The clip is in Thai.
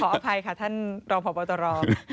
ขออภัยค่ะท่านรองผ่าประตรรอง